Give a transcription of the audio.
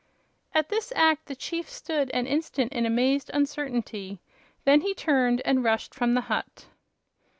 At this act the chief stood an instant in amazed uncertainty. Then he turned and rushed from the hut.